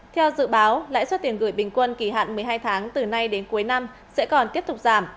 theo dự báo lãi suất tiền gửi bình quân kỳ hạn một mươi hai tháng từ nay đến cuối năm sẽ còn tiếp tục giảm